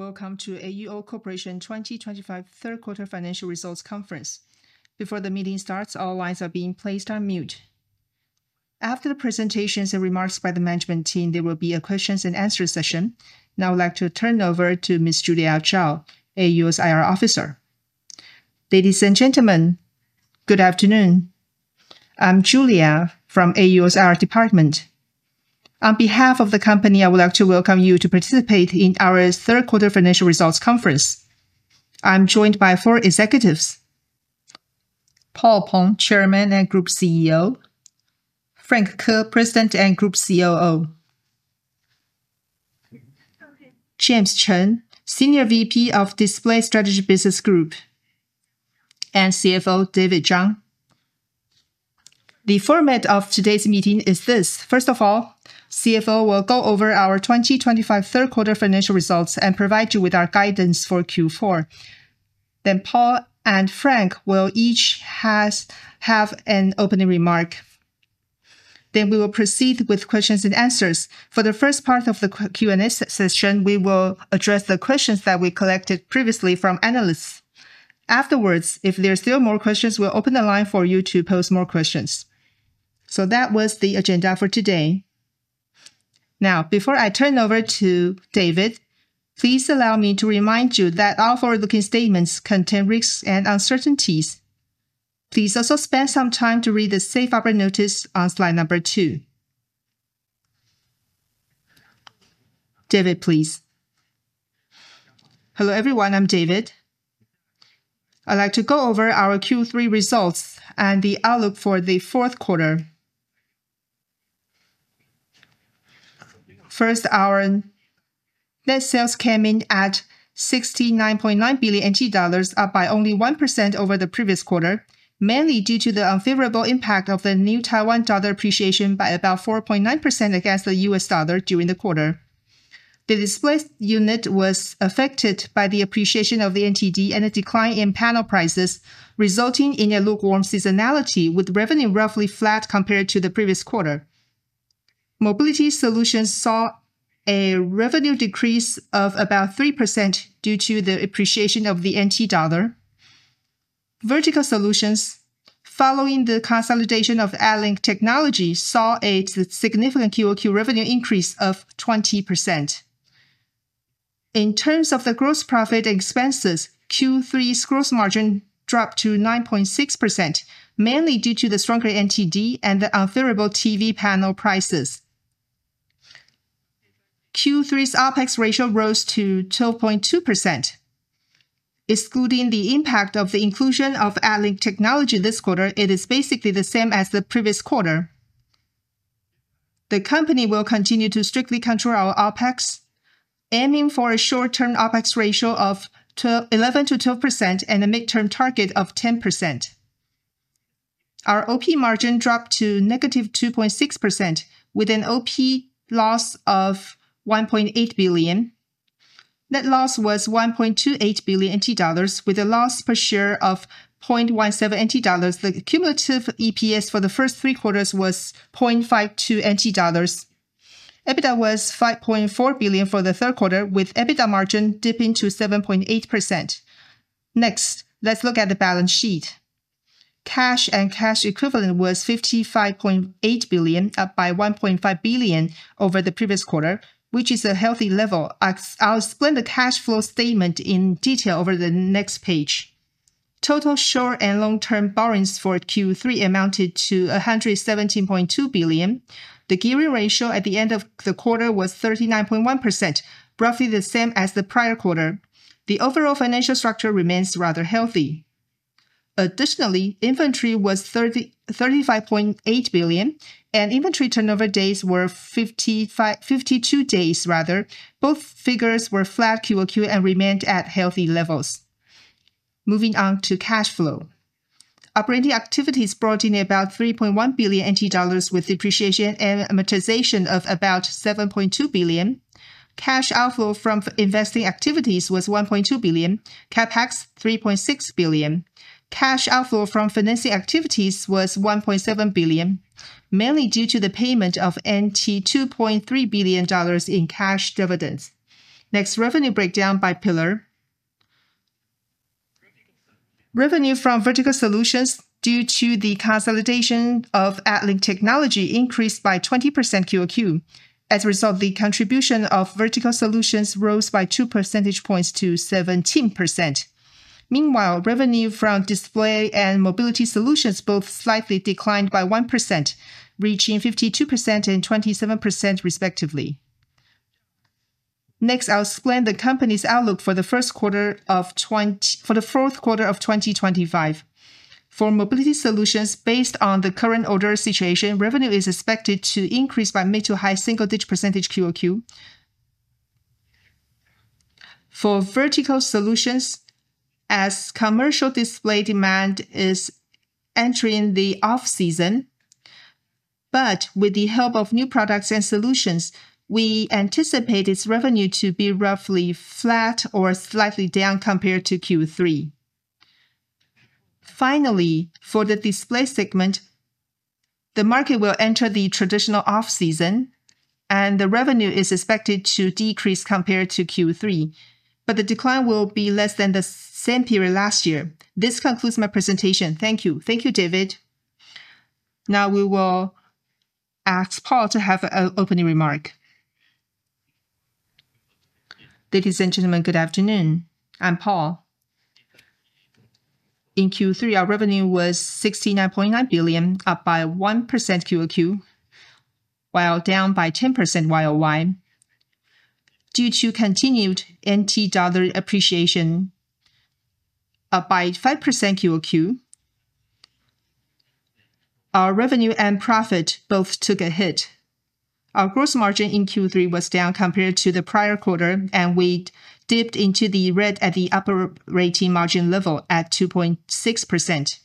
Welcome to AUO Corporation 2025 third quarter financial results conference. Before the meeting starts, all lines are being placed on mute. After the presentations and remarks by the management team, there will be a question- and-answers session. Now I'd like to turn it over to Ms. Julia Chao, AUO's IR Officer. Ladies and gentlemen, good afternoon. I'm Julia from AUO's IR Department. On behalf of the company, I would like to welcome you to participate in our third quarter financial results conference. I'm joined by four executives: Paul Peng, Chairman and Group CEO; Frank Ko, President and Group COO; James Chen, Senior VP of Display Strategy Business Group; and CFO David Chang. The format of today's meeting is this: first of all, CFO will go over our 2025 third quarter financial results and provide you with our guidance for Q4. Paul and Frank will each have an opening remark. We will proceed with questions and answers. For the first part of the Q&A session, we will address the questions that we collected previously from analysts. If there are still more questions, we'll open the line for you to post more questions. That was the agenda for today. Now, before I turn it over to David, please allow me to remind you that all forward-looking statements contain risks and uncertainties. Please also spend some time to read the safe operating notice on slide number two. David, please. Hello, everyone. I'm David.I'd like to go over our Q3 results and the outlook for the fourth quarter. First, our net sales came in at 69.9 billion dollars, up by only 1% over the previous quarter, mainly due to the unfavorable impact of the New Taiwan Dollar appreciation by about 4.9% against the U.S. dollar during the quarter. The display unit was affected by the appreciation of the NTD and a decline in panel prices, resulting in a lukewarm seasonality, with revenue roughly flat compared to the previous quarter. Mobility solutions saw a revenue decrease of about 3% due to the appreciation of the NT dollar. Vertical solutions, following the consolidation of ALYnc Technologies, saw a significant Q-O-Q revenue increase of 20%. In terms of the gross profit expenses, Q3's gross margin dropped to 9.6%, mainly due to the stronger NTD and the unfavorable TV panel prices. Q3's OPEX ratio rose to 12.2%. Excluding the impact of the inclusion of ALYnc Technologies this quarter, it is basically the same as the previous quarter. The company will continue to strictly control our OPEX, aiming for a short-term OPEX ratio of 11% to 12% and a mid-term target of 10%. Our OP margin dropped to -2.6%, with an OP loss of 1.8 billion. Net loss was 1.2 billion NT dollars, with a loss per share of 0.17 NT dollars. The cumulative EPS for the first three quarters was 0.52 NT dollars. EBITDA was 5.4 billion for the third quarter, with EBITDA margin dipping to 7.8%. Next, let's look at the balance sheet. Cash and cash equivalent was 55.8 billion, up by 1.5 billion over the previous quarter, which is a healthy level. I'll explain the cash flow statement in detail over the next page. Total short and long-term borrowings for Q3 amounted to 117.2 billion. The gearing ratio at the end of the quarter was 39.1%, roughly the same as the prior quarter. The overall financial structure remains rather healthy. Additionally, inventory was 35.8 billion, and inventory turnover days were 52 days. Both figures were flat Q-O-Q and remained at healthy levels. Moving on to cash flow. Operating activities brought in about 3.1 billion NT dollars, with depreciation and amortization of about 7.2 billion. Cash outflow from investing activities was 1.2 billion. CAPEX was 3.6 billion. Cash outflow from financing activities was 1.7 billion, mainly due to the payment of 2.3 billion dollars in cash dividends. Next, revenue breakdown by pillar. Revenue from vertical solutions due to the consolidation of ALYnc Technologies increased by 20% Q-O-Q. As a result, the contribution of vertical solutions rose by 2 percentage points to 17%. Meanwhile, revenue from display and mobility solutions both slightly declined by 1%, reaching 52% and 27%, respectively. Next, I'll explain the company's outlook for the first quarter of the fourth quarter of 2025. For mobility solutions, based on the current order situation, revenue is expected to increase by mid to high single-digit percent Q-O-Q. For vertical solutions, as commercial display demand is entering the off-season, but with the help of new products and solutions, we anticipate its revenue to be roughly flat or slightly down compared to Q3. Finally, for the display segment, the market will enter the traditional off-season, and the revenue is expected to decrease compared to Q3, but the decline will be less than the same period last year. This concludes my presentation. Thank you. Thank you, David. Now we will ask Paul to have an opening remark. Ladies and gentlemen, good afternoon. I'm Paul. In Q3, our revenue was 69.9 billion, up by 1% Q-O-Q, while down by 10% Y-O-Y due to continued New Taiwan Dollar appreciation, up by 5% Q-O-Q. Our revenue and profit both took a hit. Our gross margin in Q3 was down compared to the prior quarter, and we dipped into the red at the operating margin level at 2.6%.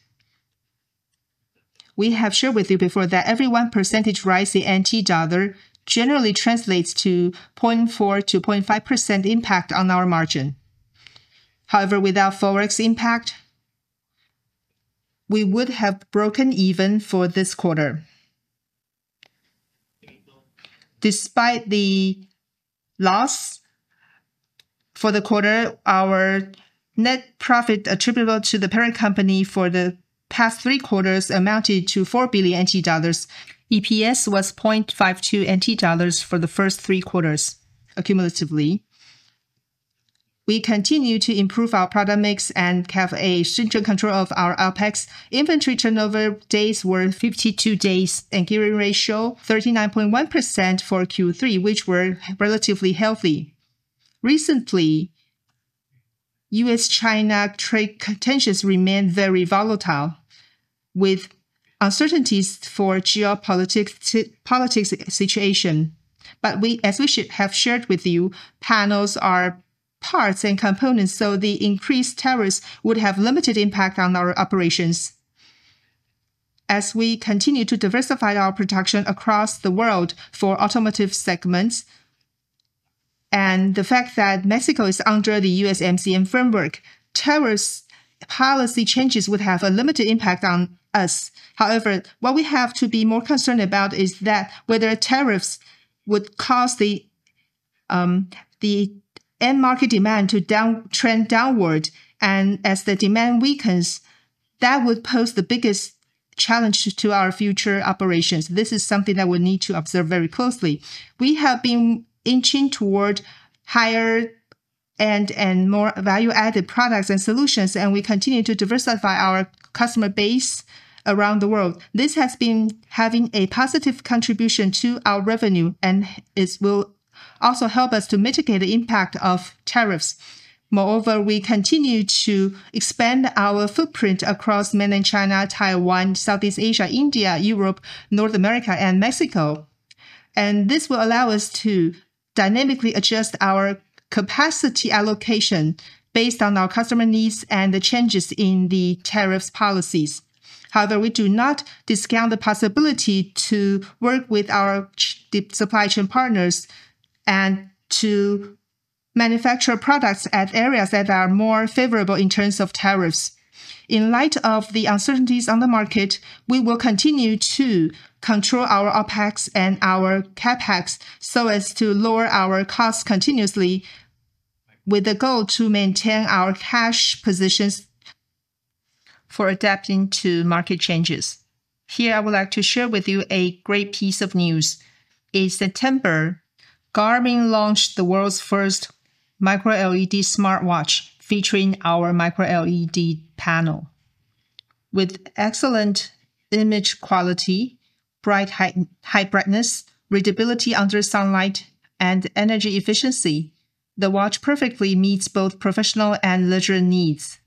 We have shared with you before that every 1% rise in New Taiwan Dollar generally translates to 0.4% to-0.5% impact on our margin. However, without Forex impact, we would have broken even for this quarter. Despite the loss for the quarter, our net profit attributable to the parent company for the past three quarters amounted to 4 billion NT dollars. EPS was 0.52 NT dollars for the first three quarters accumulatively. We continue to improve our product mix and have a stringent control of our OPEX. Inventory turnover days were 52 days, and gearing ratio was 39.1% for Q3, which were relatively healthy. Recently, U.S.-China trade contentions remained very volatile, with uncertainties for geopolitics situation. As we have shared with you, panels are parts and components, so the increased tariffs would have limited impact on our operations. We continue to diversify our production across the world for automotive segments, and the fact that Mexico is under the USMCA framework, tariff policy changes would have a limited impact on us. However, what we have to be more concerned about is that whether tariffs would cause the. End market demand to trend downward, and as the demand weakens, that would pose the biggest challenge to our future operations. This is something that we need to observe very closely. We have been inching toward higher-end and more value-added products and solutions, and we continue to diversify our customer base around the world. This has been having a positive contribution to our revenue, and it will also help us to mitigate the impact of tariffs. Moreover, we continue to expand our footprint across mainland China, Taiwan, Southeast Asia, India, Europe, North America, and Mexico. This will allow us to dynamically adjust our capacity allocation based on our customer needs and the changes in the tariff policies. However, we do not discount the possibility to work with our supply chain partners and to manufacture products at areas that are more favorable in terms of tariffs. In light of the uncertainties on the market, we will continue to control our OPEX and our CAPEX so as to lower our costs continuously, with the goal to maintain our cash positions for adapting to market changes. Here, I would like to share with you a great piece of news. In September, Garmin launched the world's first micro-LED smartwatch featuring our micro-LED panel. With excellent image quality, high brightness, readability under sunlight, and energy efficiency, the watch perfectly meets both professional and leisure needs.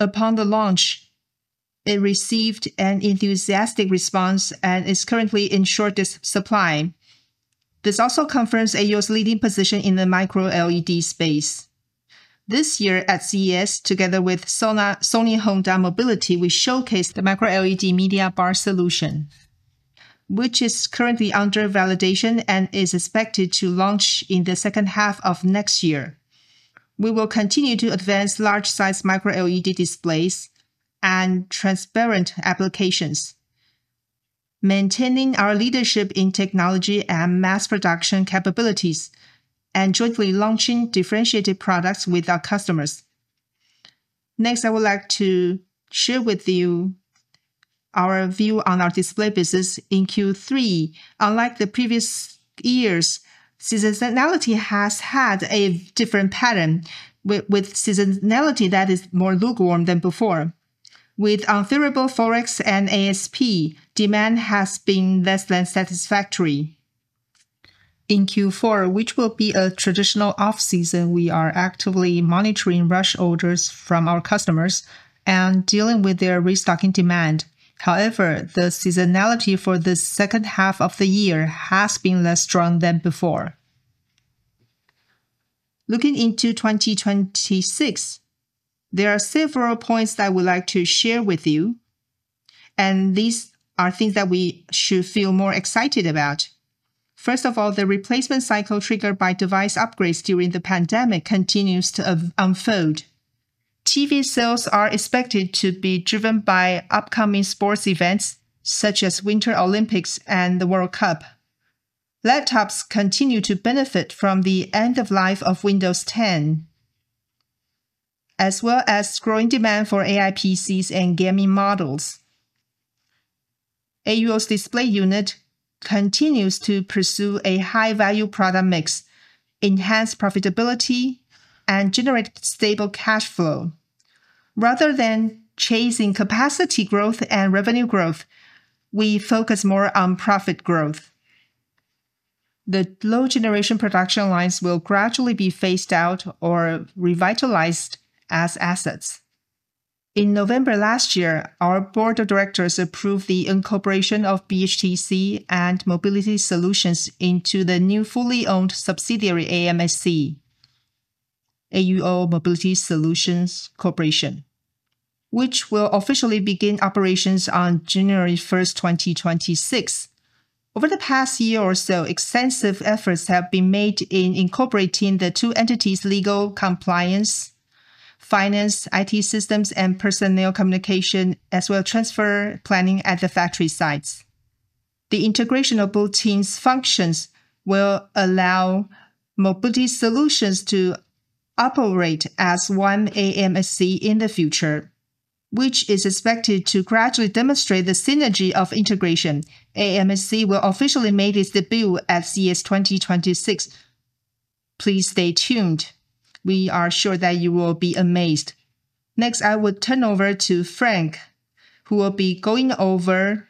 Upon the launch, it received an enthusiastic response and is currently in short supply. This also confirms AUO Corporation's leading position in the micro-LED space. This year at CES, together with Sony Honda Mobility, we showcased the micro-LED media bar solution, which is currently under validation and is expected to launch in the second half of next year. We will continue to advance large-size micro-LED displays and transparent applications, maintaining our leadership in technology and mass production capabilities, and jointly launching differentiated products with our customers. Next, I would like to share with you our view on our display business in Q3. Unlike the previous years, seasonality has had a different pattern, with seasonality that is more lukewarm than before. With unfavorable Forex and ASP, demand has been less than satisfactory. In Q4, which will be a traditional off-season, we are actively monitoring rush orders from our customers and dealing with their restocking demand. However, the seasonality for the second half of the year has been less strong than before. Looking into 2026, there are several points that I would like to share with you, and these are things that we should feel more excited about. First of all, the replacement cycle triggered by device upgrades during the pandemic continues to unfold. TV sales are expected to be driven by upcoming sports events such as Winter Olympics and the World Cup. Laptops continue to benefit from the end of life of Windows 10, as well as growing demand for AI PCs and gaming models. AUO's display unit continues to pursue a high-value product mix, enhance profitability, and generate stable cash flow. Rather than chasing capacity growth and revenue growth, we focus more on profit growth. The low-generation production lines will gradually be phased out or revitalized as assets. In November last year, our board of directors approved the incorporation of BHTC and Mobility Solutions into the new fully owned subsidiary AUO Mobility Solutions Corporation, which will officially begin operations on January 1st, 2026. Over the past year or so, extensive efforts have been made in incorporating the two entities' legal compliance, finance, IT systems, and personnel communication, as well as transfer planning at the factory sites. The integration of both teams' functions will allow Mobility Solutions to operate as one AUO Mobility Solutions Corporation in the future, which is expected to gradually demonstrate the synergy of integration. AUO Mobility Solutions Corporation will officially make its debut at CES 2026. Please stay tuned. We are sure that you will be amazed. Next, I will turn over to Frank, who will be going over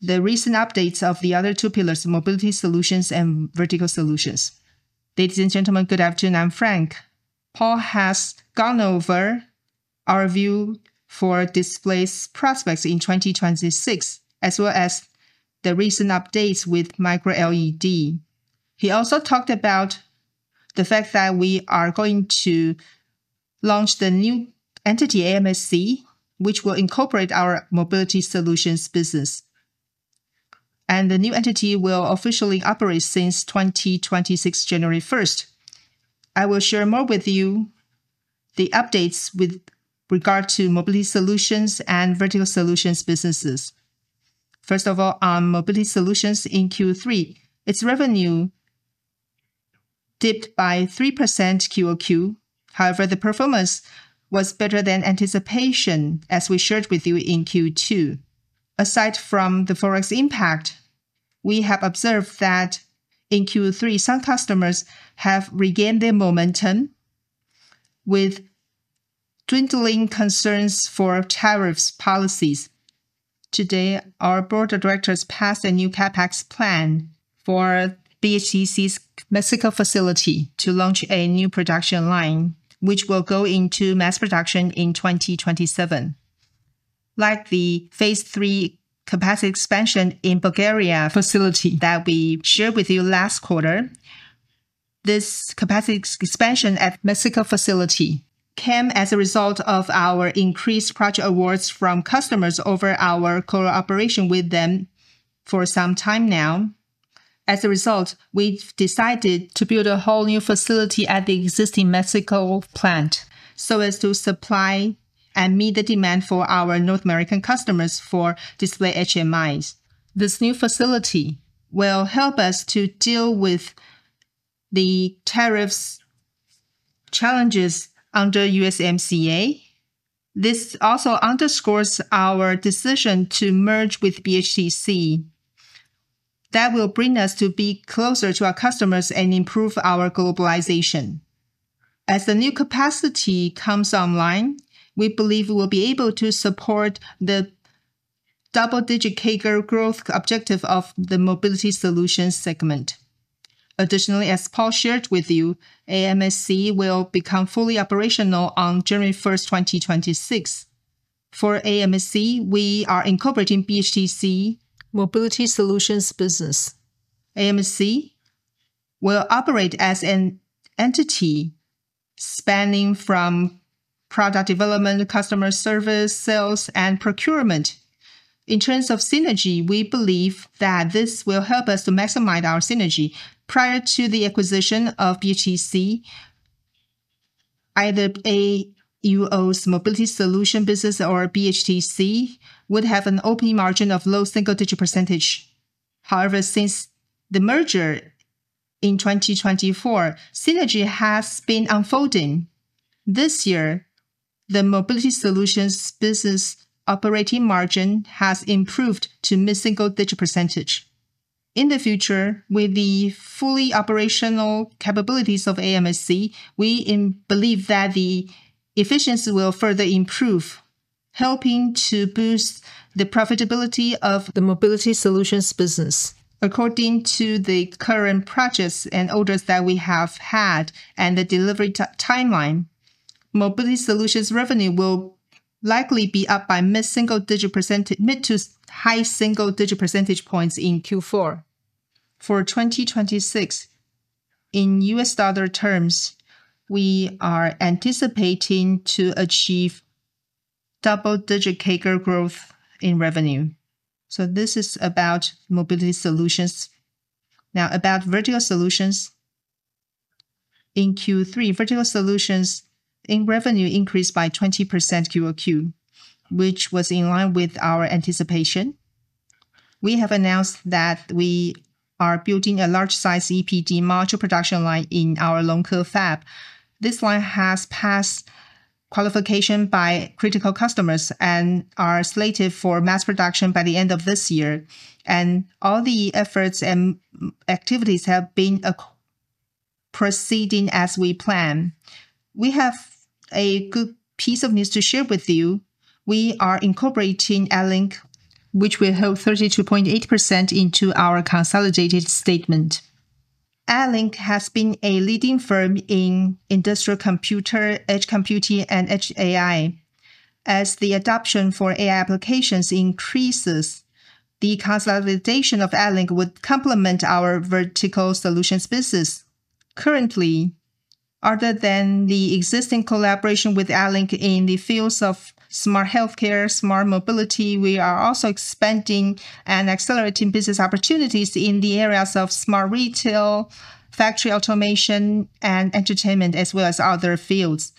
the recent updates of the other two pillars, Mobility Solutions and Vertical Solutions. Ladies and gentlemen, good afternoon. I'm Frank. Paul has gone over our view for display prospects in 2026, as well as the recent updates with micro-LED. He also talked about the fact that we are going to launch the new entity AMSC, which will incorporate our Mobility Solutions business, and the new entity will officially operate since January 1st, 2026. I will share more with you the updates with regard to Mobility Solutions and Vertical Solutions businesses. First of all, on Mobility Solutions in Q3, its revenue dipped by 3% Q-O-Q. However, the performance was better than anticipation, as we shared with you in Q2. Aside from the Forex impact, we have observed that in Q3, some customers have regained their momentum. Dwindling concerns for tariff policies. Today, our Board of Directors passed a new CAPEX plan for BHTC's Mexico facility to launch a new production line, which will go into mass production in 2027. Like the phase III capacity expansion in the Bulgaria facility that we shared with you last quarter, this capacity expansion at the Mexico facility came as a result of our increased project awards from customers over our cooperation with them for some time now. As a result, we've decided to build a whole new facility at the existing Mexico plant to supply and meet the demand for our North American customers for display HMIs. This new facility will help us to deal with the tariffs challenges under USMCA. This also underscores our decision to merge with BHTC. That will bring us to be closer to our customers and improve our globalization. As the new capacity comes online, we believe we will be able to support the double-digit CAGR growth objective of the Mobility Solutions segment. Additionally, as Paul shared with you, AMSC will become fully operational on January 1st, 2026. For AMSC, we are incorporating BHTC Mobility Solutions business. AMSC will operate as an entity spanning from product development, customer service, sales, and procurement. In terms of synergy, we believe that this will help us to maximize our synergy. Prior to the acquisition of BHTC, either AUO's Mobility Solutions business or BHTC would have an operating margin of low single-digit percentage. However, since the merger in 2024, synergy has been unfolding. This year, the Mobility Solutions business operating margin has improved to mid-single-digit percentage. In the future, with the fully operational capabilities of AMSC, we believe that the efficiency will further improve, helping to boost the profitability of the Mobility Solutions business. According to the current projects and orders that we have had and the delivery timeline, Mobility Solutions revenue will likely be up by mid-single-digit percentage, mid to high single-digit percentage points in Q4. For 2026, in U.S. dollar terms, we are anticipating to achieve double-digit CAGR growth in revenue. This is about Mobility Solutions. Now, about Vertical Solutions. In Q3, Vertical Solutions revenue increased by 20% Q-O-Q, which was in line with our anticipation. We have announced that we are building a large-size EPD module production line in our local fab. This line has passed qualification by critical customers and is slated for mass production by the end of this year. All the efforts and activities have been proceeding as we plan. We have a good piece of news to share with you. We are incorporating Alync, which will help 32.8% into our consolidated statement. Alync has been a leading firm in industrial computer, edge computing, and edge AI. As the adoption for AI applications increases, the consolidation of Alync would complement our Vertical Solutions business. Currently, other than the existing collaboration with Alync in the fields of smart healthcare and smart mobility, we are also expanding and accelerating business opportunities in the areas of smart retail, factory automation, and entertainment, as well as other fields.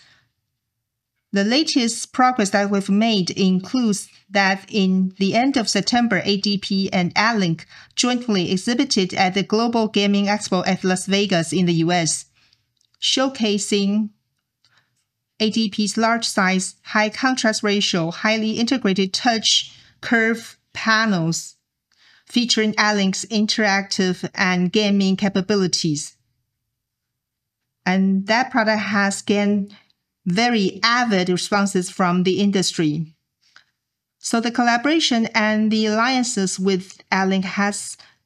The latest progress that we've made includes that in the end of September, ADP and Alync jointly exhibited at the Global Gaming Expo at Las Vegas in the U.S., showcasing ADP's large-size, high-contrast ratio, highly integrated touch curve panels featuring Alync's interactive and gaming capabilities. That product has gained very avid responses from the industry. The collaboration and the alliances with Alync have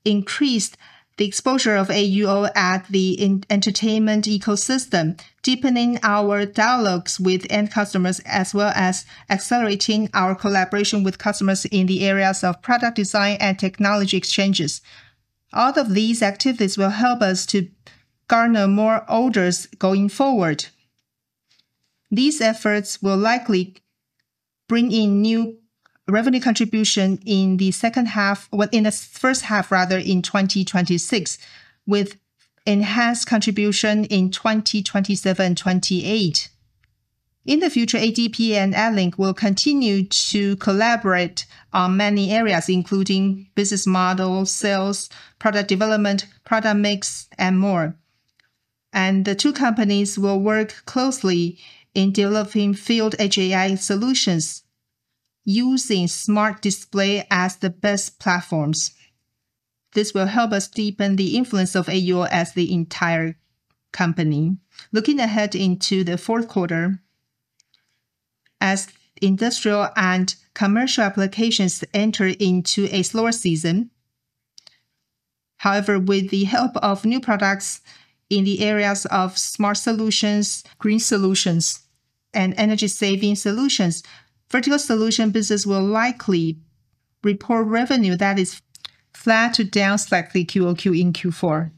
increased the exposure of AUO at the entertainment ecosystem, deepening our dialogues with end customers, as well as accelerating our collaboration with customers in the areas of product design and technology exchanges. All of these activities will help us to garner more orders going forward. These efforts will likely bring in new revenue contributions in the first half, rather, in 2026, with enhanced contributions in 2027 and 2028. In the future, ADP and Alync will continue to collaborate on many areas, including business models, sales, product development, product mix, and more. The two companies will work closely in developing field-edge AI solutions using smart displays as the best platforms. This will help us deepen the influence of AUO as the entire company. Looking ahead into the fourth quarter, as industrial and commercial applications enter into a slower season, with the help of new products in the areas of smart solutions, green solutions, and energy-saving solutions, Vertical Solutions business will likely report revenue that is flat to down slightly Q-O-Q in Q4.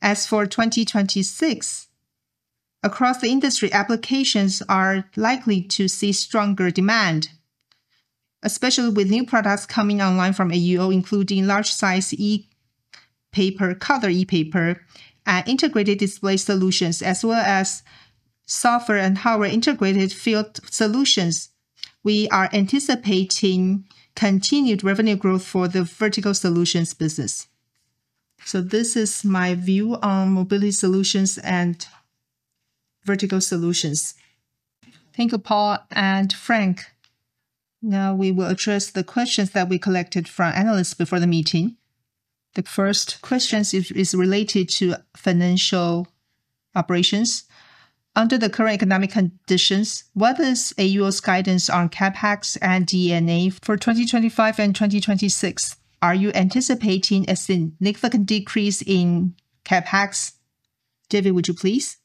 As for 2026, across the industry, applications are likely to see stronger demand, especially with new products coming online from AUO, including large-size. Paper cover, e-paper, and integrated display solutions, as well as software and hardware-integrated field solutions. We are anticipating continued revenue growth for the Vertical Solutions business. This is my view on Mobility Solutions and Vertical Solutions. Thank you, Paul and Frank. Now we will address the questions that we collected from analysts before the meeting. The first question is related to financial operations. Under the current economic conditions, what is AUO's guidance on CAPEX and D&A for 2025 and 2026? Are you anticipating a significant decrease in CAPEX? David, would you please?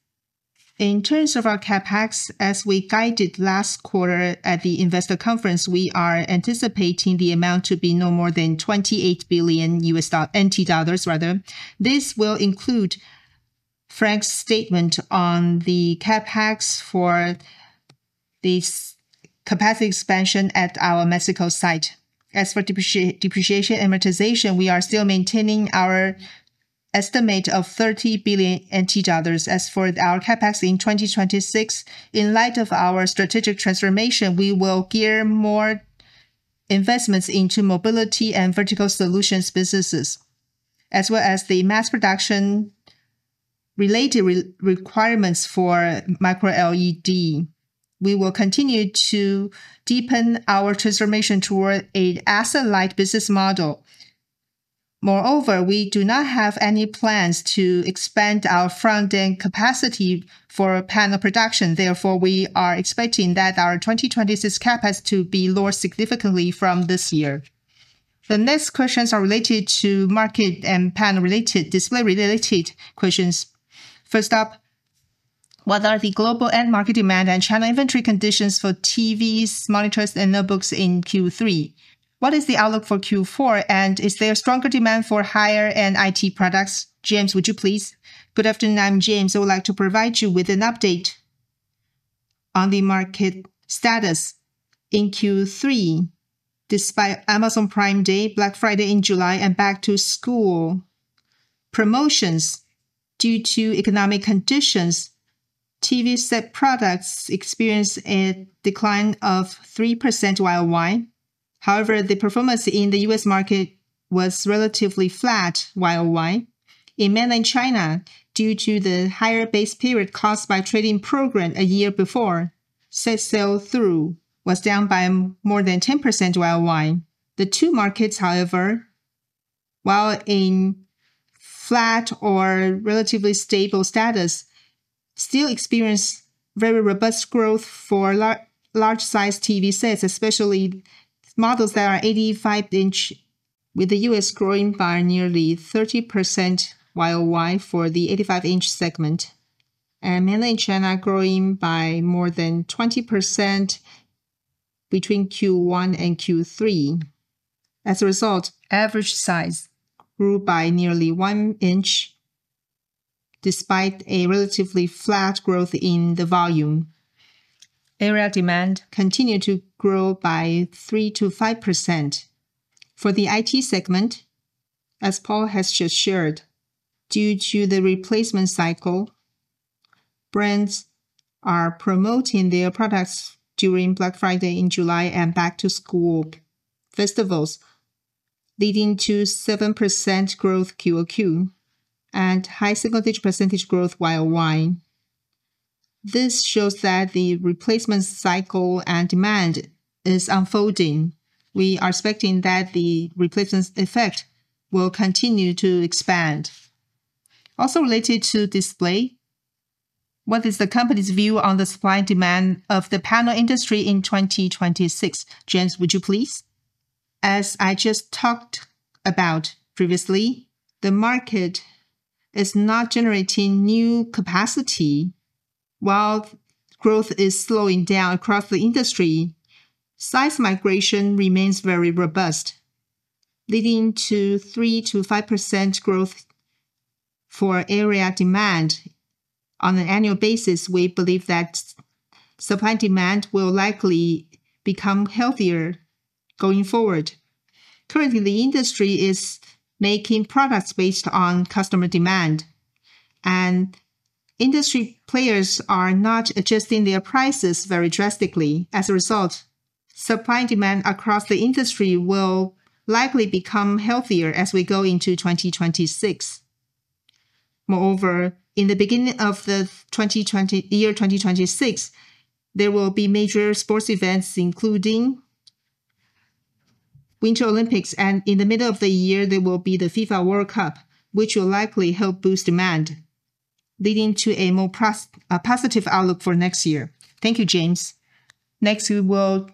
In terms of our CAPEX, as we guided last quarter at the investor conference, we are anticipating the amount to be no more than 28 billion NT dollars. This will include Frank's statement on the CAPEX for the capacity expansion at our Mexico site. As for depreciation and amortization, we are still maintaining our estimate of 30 billion NT dollars. As for our CAPEX in 2026, in light of our strategic transformation, we will gear more investments into mobility and vertical solutions businesses, as well as the mass production related requirements for micro-LED. We will continue to deepen our transformation toward an asset-light business model. Moreover, we do not have any plans to expand our front-end capacity for panel production. Therefore, we are expecting that our 2026 CAPEX to be significantly lower from this year. The next questions are related to market and panel-related, display-related questions. First up, what are the global and market demand and channel inventory conditions for TVs, monitors, and notebooks in Q3? What is the outlook for Q4, and is there stronger demand for higher-end IT products? James, would you please? Good afternoon. I'm James. I would like to provide you with an update on the market status. In Q3, despite Amazon Prime Day, Black Friday in July, and back-to-school promotions, due to economic conditions, TV set products experienced a decline of 3% Y-O-Y. However, the performance in the U.S. market was relatively flat Y-O-Y. In mainland China, due to the higher base period caused by the trading program a year before, sales through was down by more than 10% Y-O-Y. The two markets, while in flat or relatively stable status, still experienced very robust growth for large-size TV sets, especially models that are 85-inch, with the U.S. growing by nearly 30% Y-O-Y for the 85-inch segment. Mainland China growing by more than 20% between Q1 and Q3. As a result, average size grew by nearly 1 inch. Despite a relatively flat growth in the volume, area demand continued to grow by 3%-5% for the IT segment. As Paul has just shared, due to the replacement cycle, brands are promoting their products during Black Friday in July and back-to-school festivals, leading to 7% growth Q-O-Q and high single-digit % growth Y-O-Y. This shows that the replacement cycle and demand is unfolding. We are expecting that the replacement effect will continue to expand. Also related to display, what is the company's view on the supply and demand of the panel industry in 2026? James, would you please? As I just talked about previously, the market is not generating new capacity. While growth is slowing down across the industry, size migration remains very robust, leading to 3%-5% growth for area demand on an annual basis. We believe that supply and demand will likely become healthier going forward. Currently, the industry is making products based on customer demand, and industry players are not adjusting their prices very drastically. As a result, supply and demand across the industry will likely become healthier as we go into 2026. Moreover, in the beginning of the year 2026, there will be major sports events, including Winter Olympics, and in the middle of the year, there will be the FIFA World Cup, which will likely help boost demand, leading to a more positive outlook for next year. Thank you, James. Next, we will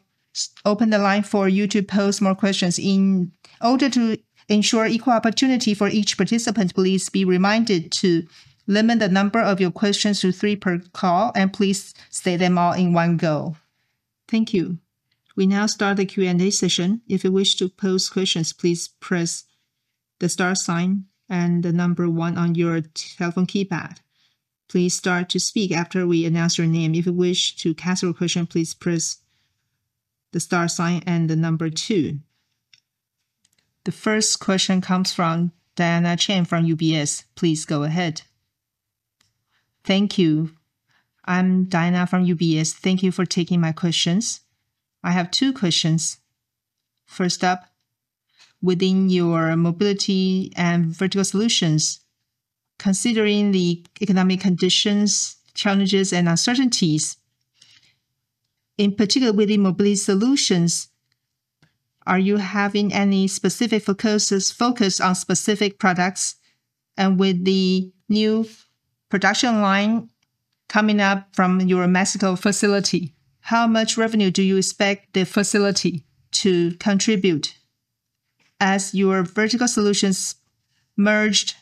open the line for you to post more questions. In order to ensure equal opportunity for each participant, please be reminded to limit the number of your questions to three per call, and please say them all in one go. Thank you. We now start the Q&A session. If you wish to post questions, please press the star sign and the number one on your telephone keypad. Please start to speak after we announce your name. If you wish to cancel a question, please press the star sign and the number two. The first question comes from Diana Chen from UBS. Please go ahead. Thank you. I'm Diana from UBS. Thank you for taking my questions. I have two questions. First up, within your mobility and vertical solutions, considering the economic conditions, challenges, and uncertainties, in particular with the mobility solutions, are you having any specific focus on specific products? With the new production line coming up from your Mexico facility, how much revenue do you expect the facility to contribute? As your vertical solutions merged,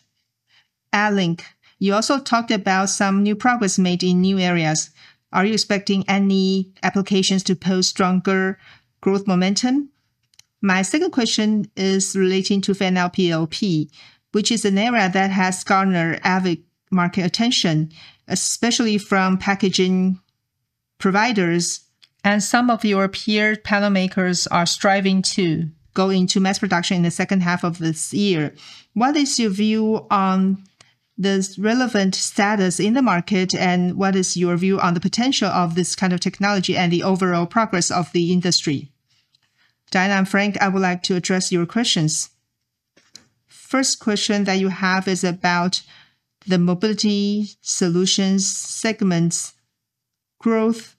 Alync, you also talked about some new progress made in new areas. Are you expecting any applications to post stronger growth momentum? My second question is relating to FINALPOP, which is an area that has garnered avid market attention, especially from packaging providers, and some of your peer panel makers are striving to go into mass production in the second half of this year. What is your view on the relevant status in the market, and what is your view on the potential of this kind of technology and the overall progress of the industry? Diana I'm Frank, I would like to address your questions. The first question that you have is about the mobility solutions segment's growth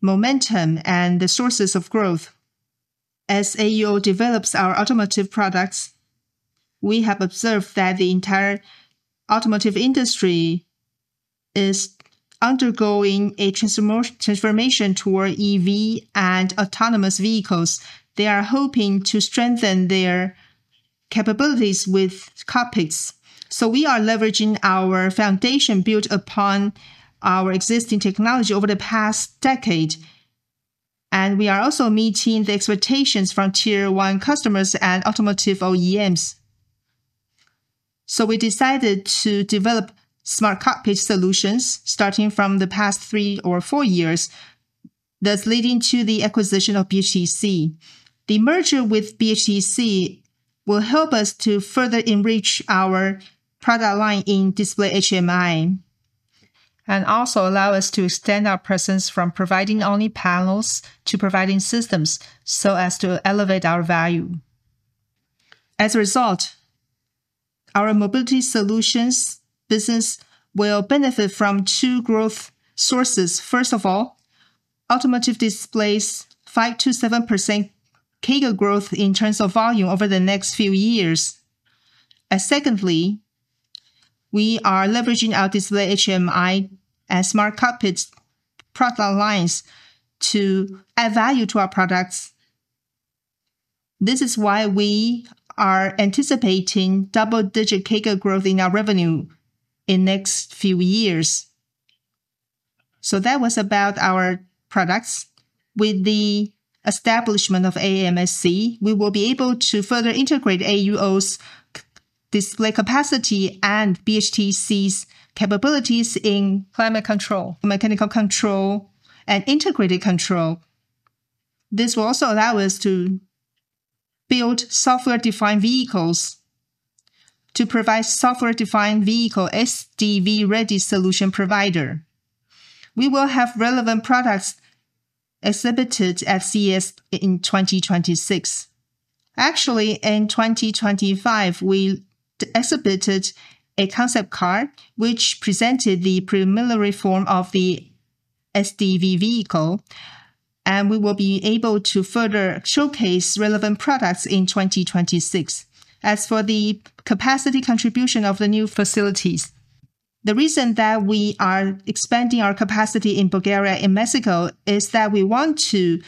momentum and the sources of growth. As AUO develops our automotive products, we have observed that the entire automotive industry is undergoing a transformation toward EV and autonomous vehicles. They are hoping to strengthen their capabilities with cockpits. We are leveraging our foundation built upon our existing technology over the past decade, and we are also meeting the expectations from Tier 1 customers and automotive OEMs. We decided to develop smart cockpit solutions starting from the past three or four years, thus leading to the acquisition of BHTC. The merger with BHTC will help us to further enrich our product line in display HMI and also allow us to extend our presence from providing only panels to providing systems to elevate our value. As a result, our mobility solutions business will benefit from two growth sources. First of all, automotive displays 5%-7% CAGR growth in terms of volume over the next few years. Secondly, we are leveraging our display HMI and smart cockpit product lines to add value to our products. This is why we are anticipating double-digit CAGR growth in our revenue in the next few years. That was about our products. With the establishment of AMSC, we will be able to further integrate AUO's display capacity and BHTC's capabilities in climate control, mechanical control, and integrated control. This will also allow us to build software-defined vehicles to provide software-defined vehicle SDV-ready solution provider. We will have relevant products exhibited at CES in 2026. Actually, in 2025, we exhibited a concept car, which presented the preliminary form of the SDV vehicle, and we will be able to further showcase relevant products in 2026. As for the capacity contribution of the new facilities, the reason that we are expanding our capacity in Bulgaria and Mexico is that we want to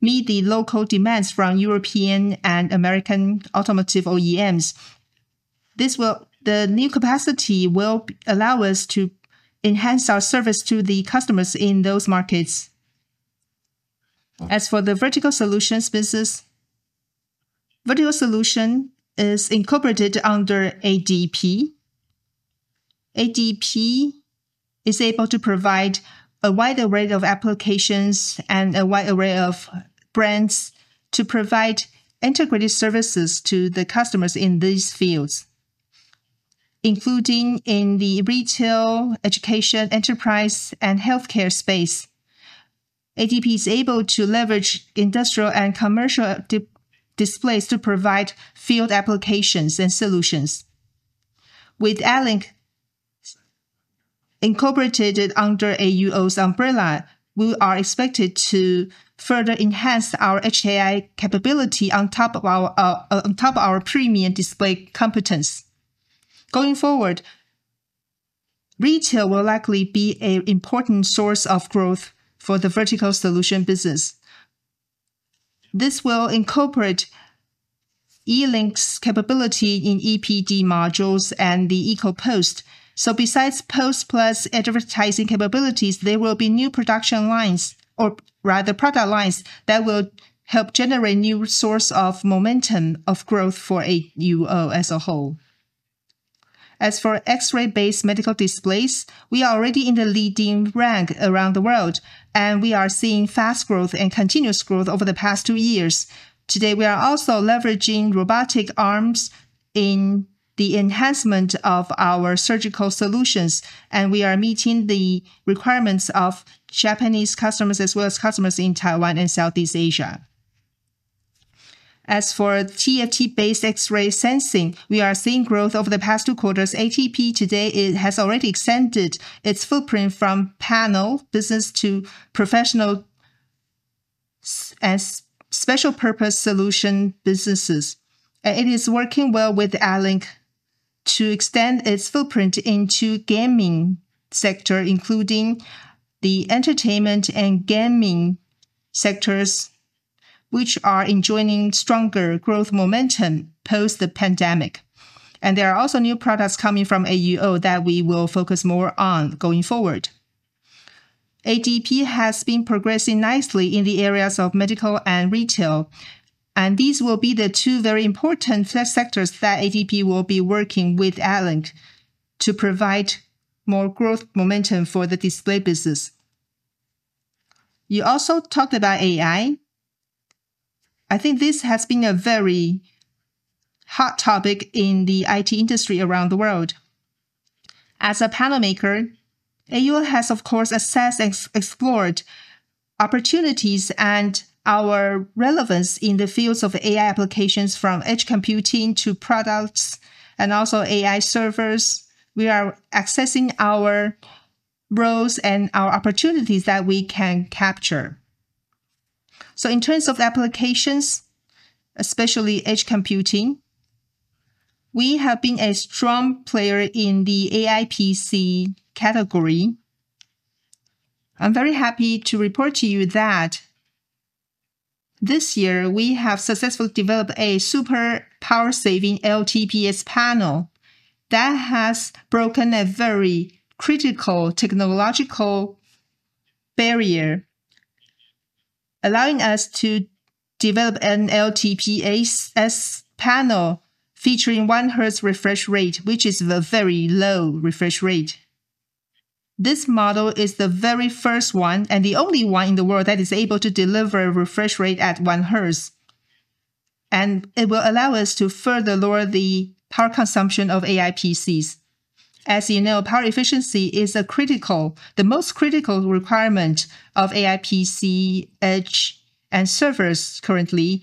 meet the local demands from European and American automotive OEMs. The new capacity will allow us to enhance our service to the customers in those markets. As for the vertical solutions business, vertical solution is incorporated under ADP. ADP is able to provide a wide array of applications and a wide array of brands to provide integrated services to the customers in these fields, including in the retail, education, enterprise, and healthcare space. ADP is able to leverage industrial and commercial displays to provide field applications and solutions. With Alync incorporated under AUO's umbrella, we are expected to further enhance our HAI capability on top of our premium display competence. Going forward, retail will likely be an important source of growth for the vertical solution business. This will incorporate E-LYNX capability in EPD modules and the ECOPOST. Besides POST plus advertising capabilities, there will be new production lines, or rather product lines, that will help generate new sources of momentum of growth for AUO as a whole. As for X-ray-based medical displays, we are already in the leading rank around the world, and we are seeing fast growth and continuous growth over the past two years. Today, we are also leveraging robotic arms in the enhancement of our surgical solutions, and we are meeting the requirements of Japanese customers as well as customers in Taiwan and Southeast Asia. As for TFT-based X-ray sensing, we are seeing growth over the past two quarters. ADP today, it has already extended its footprint from panel business to professional and special purpose solution businesses. It is working well with Alync to extend its footprint into the gaming sector, including the entertainment and gaming sectors, which are enjoying stronger growth momentum post the pandemic. There are also new products coming from AUO that we will focus more on going forward. ADP has been progressing nicely in the areas of medical and retail, and these will be the two very important sectors that ADP will be working with Alync to provide more growth momentum for the display business. You also talked about AI. I think this has been a very hot topic in the IT industry around the world. As a panel maker, AUO has, of course, assessed and explored opportunities and our relevance in the fields of AI applications from edge computing to products and also AI servers. We are assessing our roles and our opportunities that we can capture. In terms of applications, especially edge computing, we have been a strong player in the AI PC category. I'm very happy to report to you that this year, we have successfully developed a super power-saving LTPS panel that has broken a very critical technological barrier, allowing us to develop an LTPS panel featuring 1 Hz refresh rate, which is a very low refresh rate. This model is the very first one and the only one in the world that is able to deliver a refresh rate at 1 Hz. It will allow us to further lower the power consumption of AI PCs. As you know, power efficiency is a critical, the most critical requirement of AI PC, edge, and servers currently.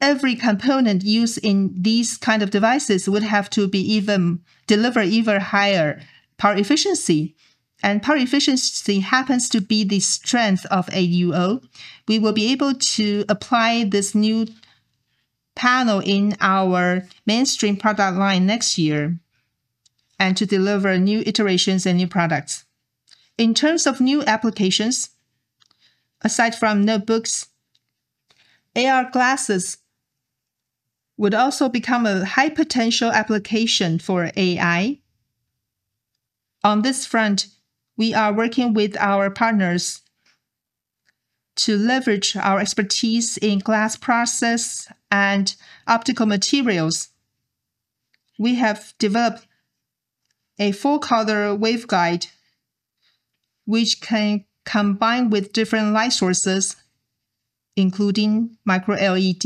Every component used in these kinds of devices would have to deliver even higher power efficiency. Power efficiency happens to be the strength of AUO. We will be able to apply this new panel in our mainstream product line next year and to deliver new iterations and new products. In terms of new applications, aside from notebooks, AR glasses would also become a high-potential application for AI. On this front, we are working with our partners to leverage our expertise in glass process and optical materials. We have developed a four-color wave guide, which can combine with different light sources, including micro-LED.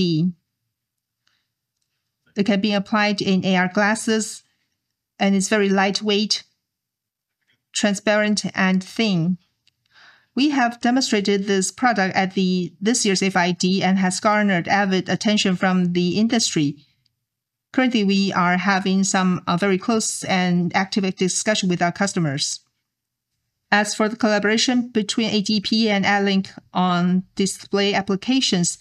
It can be applied in AR glasses, and it's very lightweight, transparent, and thin. We have demonstrated this product at this year's FID and it has garnered avid attention from the industry. Currently, we are having some very close and active discussions with our customers. As for the collaboration between ADP and Alync on display applications,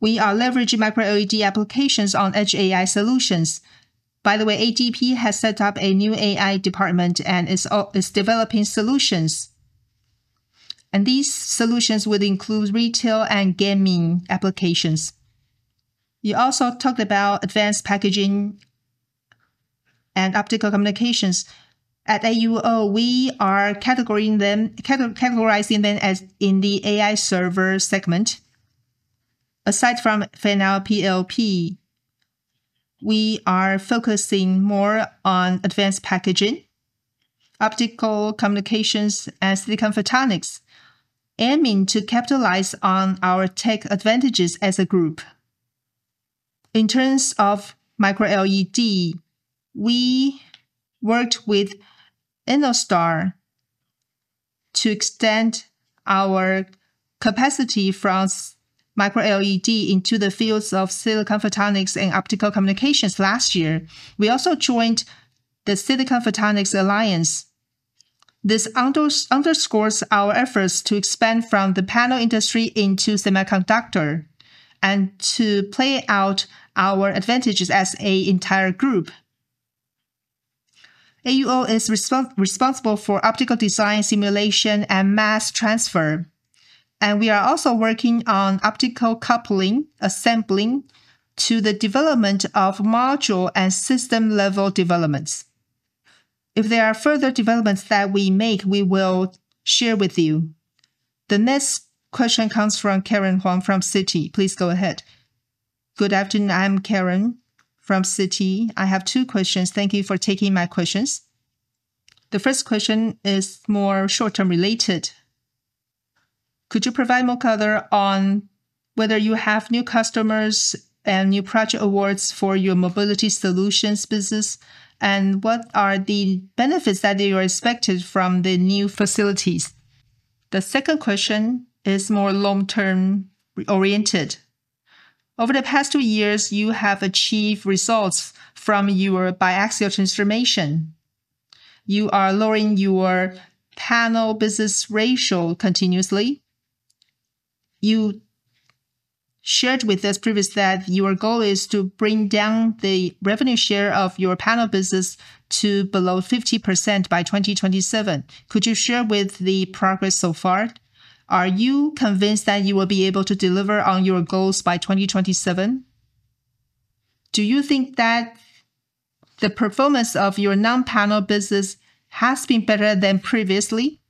we are leveraging micro-LED applications on edge AI solutions. By the way, ADP has set up a new AI department and is developing solutions. These solutions would include retail and gaming applications. You also talked about advanced packaging and optical communications. At AUO, we are categorizing them as in the AI server segment. Aside from FINALPOP, we are focusing more on advanced packaging, optical communications, and silicon photonics, aiming to capitalize on our tech advantages as a group. In terms of micro-LED, we worked with InnoStar to extend our capacity from micro-LED into the fields of silicon photonics and optical communications last year. We also joined the Silicon Photonics Alliance. This underscores our efforts to expand from the panel industry into semiconductor and to play out our advantages as an entire group. AUO is responsible for optical design, simulation, and mass transfer. We are also working on optical coupling, assembling, to the development of module and system-level developments. If there are further developments that we make, we will share with you. The next question comes from Karen Huang from Citi. Please go ahead. Good afternoon. I'm Karen from Citi. I have two questions. Thank you for taking my questions. The first question is more short-term related. Could you provide more color on whether you have new customers and new project awards for your mobility solutions business, and what are the benefits that you are expecting from the new facilities? The second question is more long-term oriented. Over the past two years, you have achieved results from your biaxial transformation. You are lowering your panel business ratio continuously. You shared with us previously that your goal is to bring down the revenue share of your panel business to below 50% by 2027. Could you share with the progress so far? Are you convinced that you will be able to deliver on your goals by 2027? Do you think that the performance of your non-panel business has been better than previously?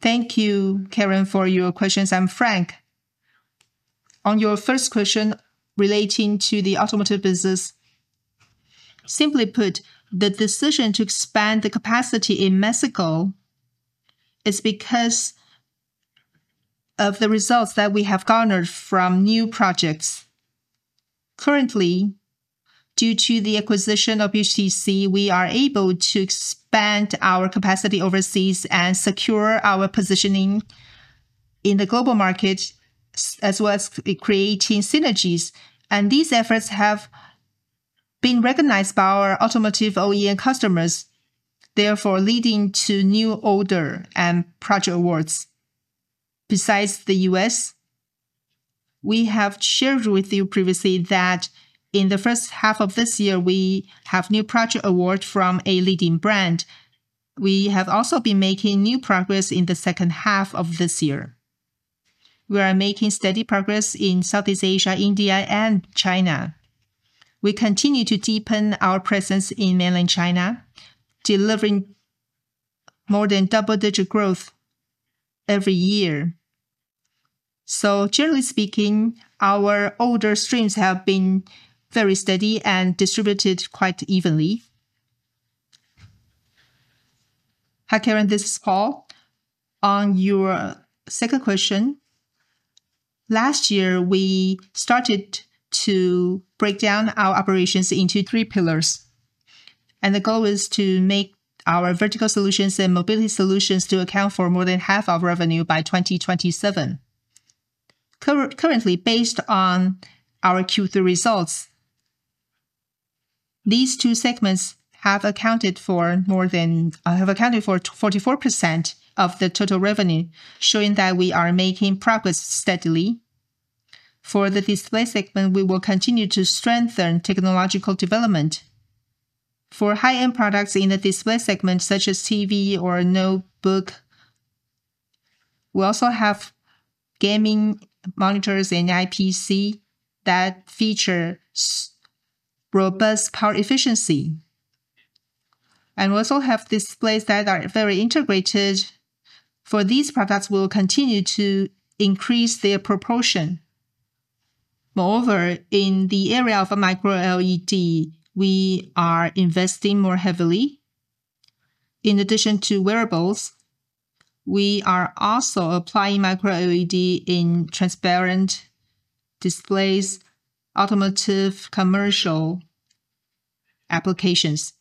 Thank you, Karen, for your questions. I'm Frank. On your first question relating to the automotive business, simply put, the decision to expand the capacity in Mexico is because of the results that we have garnered from new projects. Currently, due to the acquisition of BHTC, we are able to expand our capacity overseas and secure our positioning in the global market as well as creating synergies. These efforts have been recognized by our automotive OEM customers, therefore leading to new orders and project awards. Besides the U.S., we have shared with you previously that in the first half of this year, we have new project awards from a leading brand. We have also been making new progress in the second half of this year. We are making steady progress in Southeast Asia, India, and China. We continue to deepen our presence in mainland China, delivering more than double-digit growth every year. Generally speaking, our order streams have been very steady and distributed quite evenly. Hi, Karen. This is Paul. On your second question, last year, we started to break down our operations into three pillars. The goal is to make our vertical solutions and mobility solutions account for more than half of revenue by 2027. Currently, based on our Q3 results, these two segments have accounted for more than 44% of the total revenue, showing that we are making progress steadily. For the display segment, we will continue to strengthen technological development. For high-end products in the display segment, such as TV or notebook, we also have gaming monitors and IPC that feature robust power efficiency, and we also have displays that are very integrated. For these products, we will continue to increase their proportion. Moreover, in the area of micro-LED, we are investing more heavily. In addition to wearables, we are also applying micro-LED in transparent displays, automotive, commercial applications.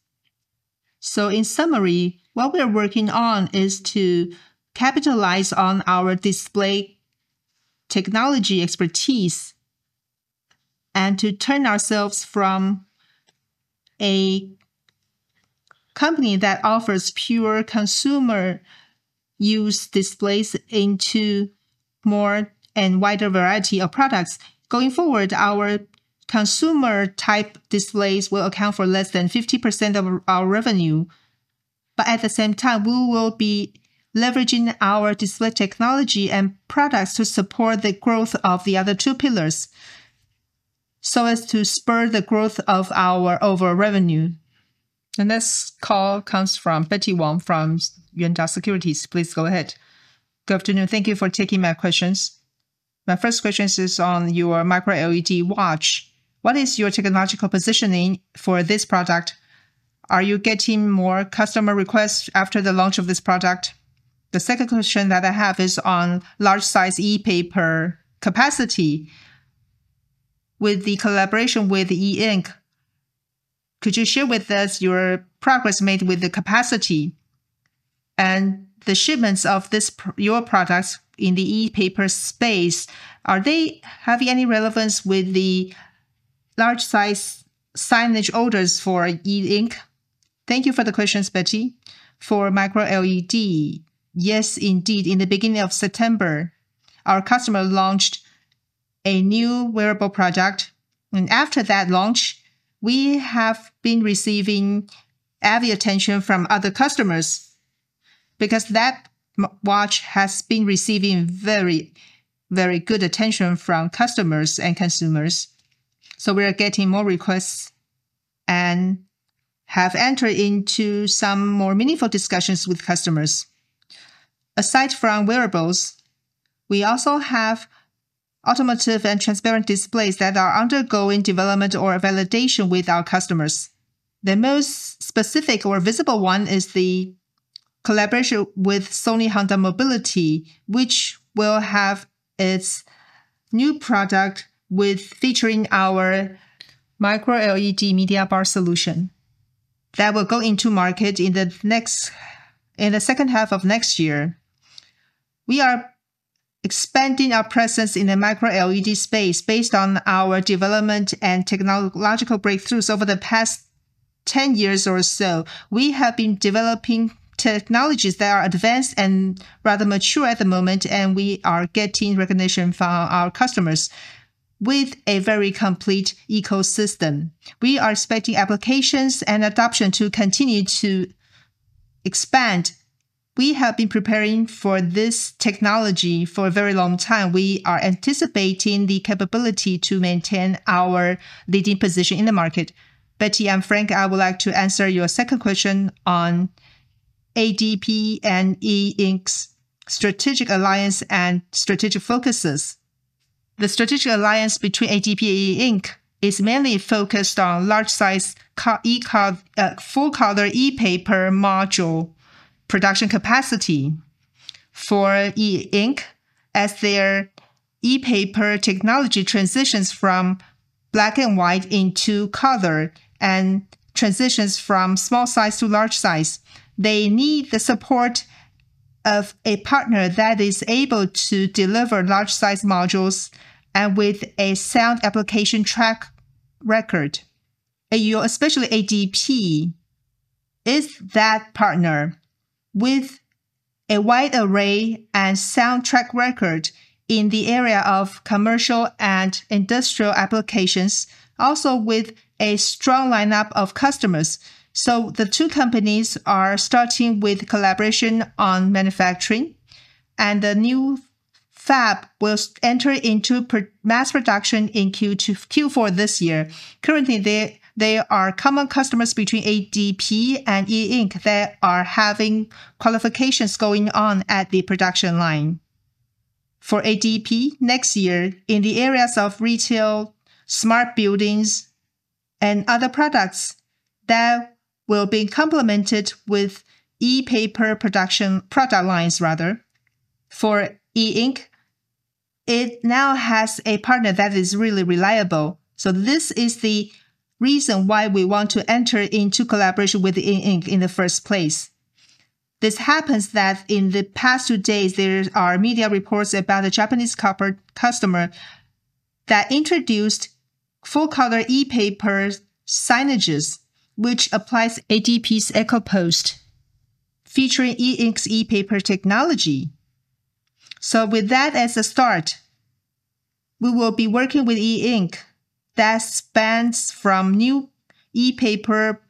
In summary, what we are working on is to capitalize on our display technology expertise and to turn ourselves from a company that offers pure consumer use displays into more and a wider variety of products. Going forward, our consumer-type displays will account for less than 50% of our revenue. At the same time, we will be leveraging our display technology and products to support the growth of the other two pillars so as to spur the growth of our overall revenue. This call comes from Betty Wong from Yuanta Securities. Please go ahead. Good afternoon. Thank you for taking my questions. My first question is on your micro-LED watch. What is your technological positioning for this product? Are you getting more customer requests after the launch of this product? The second question that I have is on large-size e-paper capacity. With the collaboration with e-Ink, could you share with us your progress made with the capacity and the shipments of your products in the e-paper space? Are they having any relevance with the large-size signage orders for E Ink? Thank you for the questions, Betty. For micro-LED, yes, indeed, in the beginning of September, our customer launched a new wearable product, and after that launch, we have been receiving heavy attention from other customers because that watch has been receiving very, very good attention from customers and consumers. We are getting more requests. We have entered into some more meaningful discussions with customers. Aside from wearables, we also have automotive and transparent displays that are undergoing development or validation with our customers. The most specific or visible one is the collaboration with Sony Honda Mobility, which will have its new product featuring our micro-LED media bar solution that will go into market in the second half of next year. We are expanding our presence in the micro-LED space based on our development and technological breakthroughs over the past 10 years or so. We have been developing technologies that are advanced and rather mature at the moment, and we are getting recognition from our customers with a very complete ecosystem. We are expecting applications and adoption to continue to expand. We have been preparing for this technology for a very long time. We are anticipating the capability to maintain our leading position in the market. Betty I'm Frank, I would like to answer your second question on ADP and e-Ink's strategic alliance and strategic focuses. The strategic alliance between ADP and e-Ink is mainly focused on large-size full-color e-paper module production capacity for e-Ink. As their e-paper technology transitions from black and white into color and transitions from small size to large size, they need the support of a partner that is able to deliver large-size modules and with a sound application track record. Especially ADP is that partner with a wide array and sound track record in the area of commercial and industrial applications, also with a strong lineup of customers. The two companies are starting with collaboration on manufacturing, and the new fab will enter into mass production in Q4 this year. Currently, there are common customers between ADP and e-Ink that are having qualifications going on at the production line. For ADP next year, in the areas of retail, smart buildings, and other products that will be complemented with e-paper production product lines. For e-Ink, it now has a partner that is really reliable. This is the reason why we want to enter into collaboration with e-Ink in the first place. It happens that in the past two days, there are media reports about a Japanese customer that introduced full-color e-paper signages, which applies ADP's Echo Post featuring e-Ink's e-paper technology. With that as a start. We will be working with e-Ink that spans from new e-paper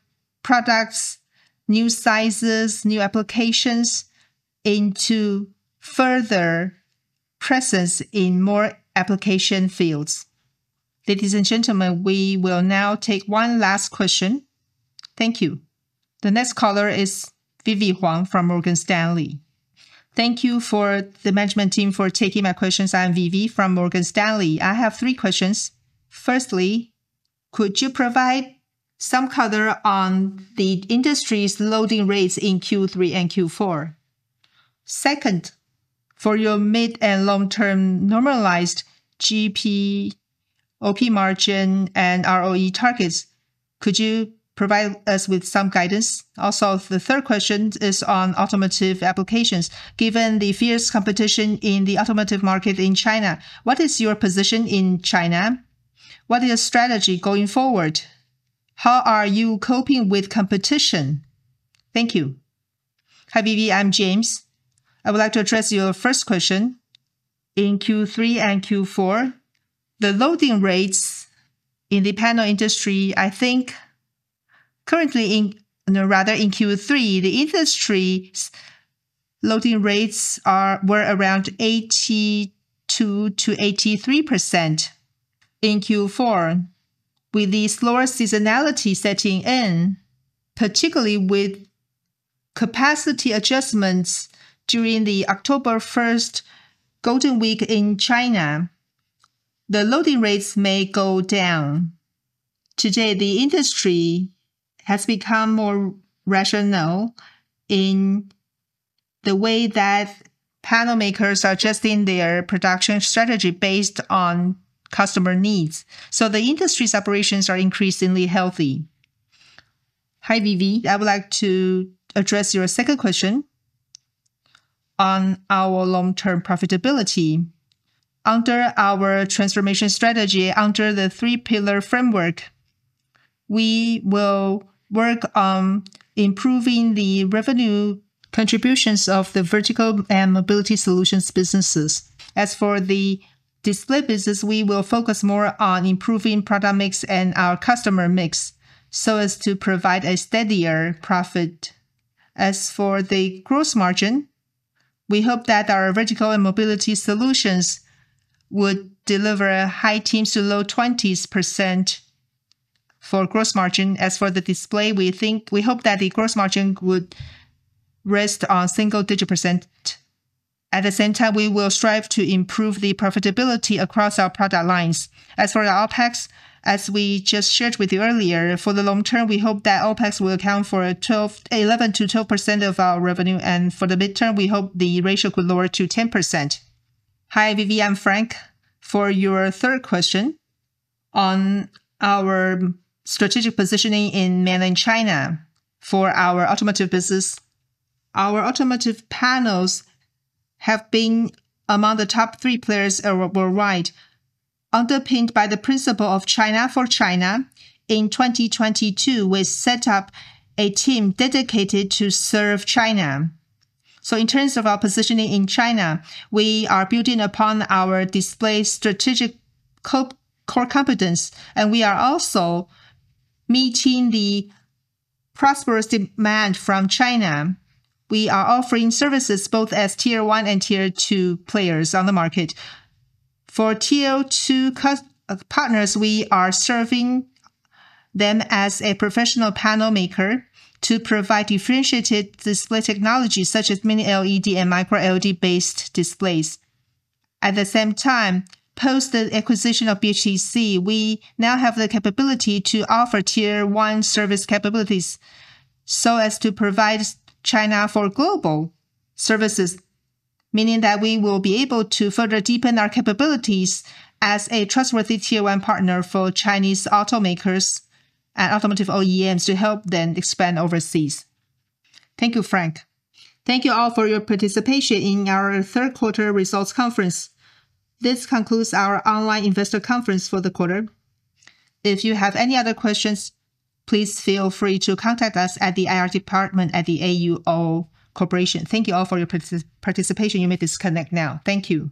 products, new sizes, new applications into further presence in more application fields. Ladies and gentlemen, we will now take one last question. Thank you. The next caller is Vivi Huang from Morgan Stanley. Thank you for the management team for taking my questions. I'm Vivi from Morgan Stanley. I have three questions. Firstly, could you provide some color on the industry's loading rates in Q3 and Q4? Second, for your mid and long-term normalized GP, OP margin and ROE targets, could you provide us with some guidance? Also, the third question is on automotive applications. Given the fierce competition in the automotive market in China, what is your position in China? What is your strategy going forward? How are you coping with competition? Thank you. Hi, Vivi. I'm James. I would like to address your first question. In Q3 and Q4, the loading rates in the panel industry, I think currently in, rather, in Q3, the industry's loading rates were around 82%-83%. In Q4, with the slower seasonality setting in, particularly with capacity adjustments during the October 1st golden week in China, the loading rates may go down. Today, the industry has become more rational in the way that panel makers are adjusting their production strategy based on customer needs. The industry's operations are increasingly healthy. Hi, Vivi. I would like to address your second question. On our long-term profitability, under our transformation strategy, under the three-pillar framework, we will work on improving the revenue contributions of the vertical and mobility solutions businesses. As for the display business, we will focus more on improving product mix and our customer mix so as to provide a steadier profit. As for the gross margin, we hope that our vertical and mobility solutions would deliver high teens to low 20% for gross margin. As for the display, we think we hope that the gross margin would rest on single-digit percent. At the same time, we will strive to improve the profitability across our product lines. As for the OPEX, as we just shared with you earlier, for the long term, we hope that OPEX will account for 11%-12% of our revenue. For the midterm, we hope the ratio could lower to 10%. Hi, Vivi. I'm Frank. For your third question, on our strategic positioning in mainland China for our automotive business. Our automotive panels have been among the top three players worldwide, underpinned by the principle of China for China. In 2022, we set up a team dedicated to serve China. In terms of our positioning in China, we are building upon our display strategic core competence, and we are also meeting the prosperous demand from China. We are offering services both as Tier 1 and Tier 2 players on the market. For Tier 2 partners, we are serving them as a professional panel maker to provide differentiated display technologies such as mini-LED and micro-LED-based displays. At the same time, post the acquisition of BHTC, we now have the capability to offer Tier 1 service capabilities. This is to provide China for global services, meaning that we will be able to further deepen our capabilities as a trustworthy Tier 1 partner for Chinese automakers and automotive OEMs to help them expand overseas. Thank you, Frank. Thank you all for your participation in our third-quarter results conference. This concludes our online investor conference for the quarter. If you have any other questions, please feel free to contact us at the IR department at AUO Corporation. Thank you all for your participation. You may disconnect now. Thank you.